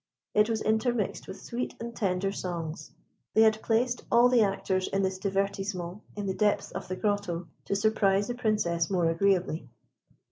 It was intermixed with sweet and tender songs. They had placed all the actors in this divertissement in the depths of the grotto, to surprise the Princess more agreeably.